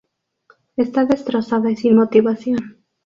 Está destrozada y sin motivación.